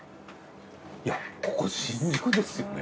いやここ新宿ですよね？